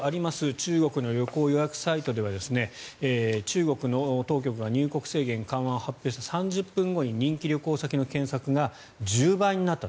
中国の旅行予約サイトでは中国の当局が入国制限緩和を発表した３０分後に人気旅行先の検索が１０倍になったと。